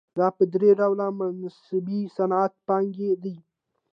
دا په درې ډوله مناسبې صنعتي پانګې دي